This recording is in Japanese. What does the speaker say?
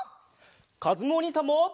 かずむおにいさんも。